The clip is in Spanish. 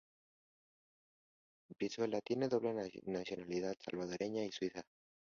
Brizuela tiene doble nacionalidad salvadoreña y suiza.